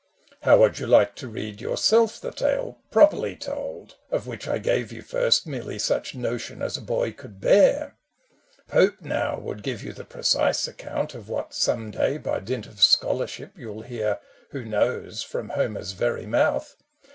" How would you like to read yourself the tale Properly told, of which I gave you first Merely such notion as a boy could bear ? Pope, now, would give ) ou the precise account Of what, some day, by dint of scholarship, You '11 hear — who knows ?— from Homer's very mouth.